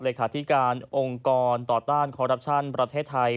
เลยคาธิการองค์กรต่อต้านคอรับชันประเทศไทย